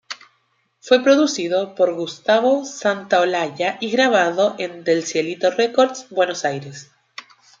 Fue producido por Gustavo Santaolalla y grabado en Del Cielito Records, Buenos Aires.